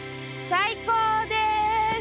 最高です！